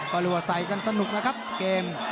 ก็ลัวใส่กันสนุกนะครับเกม